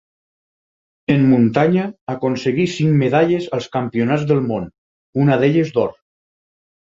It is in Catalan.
En muntanya aconseguí cinc medalles als Campionats del Món, una d'elles d'or.